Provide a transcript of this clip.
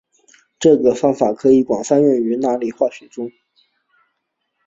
这个方法广泛用于甾类化学中。